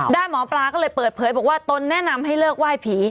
ด้านหมอปลาก็เลยเปิดเผยบอกว่าตนแนะนำให้เลิกไหว้ผี